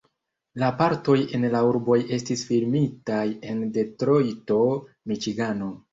La partoj en la urboj estis filmitaj en Detrojto, Miĉigano.